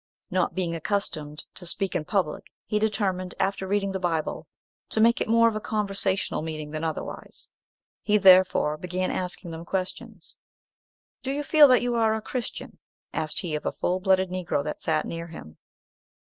Not being accustomed to speak in public, he determined, after reading the Bible, to make it more of a conversational meeting than otherwise. He therefore began asking them questions. "Do you feel that you are a Christian?" asked he of a full blooded Negro that sat near him.